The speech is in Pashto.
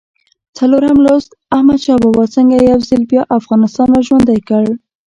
څلورم لوست: احمدشاه بابا څنګه یو ځل بیا افغانستان را ژوندی کړ؟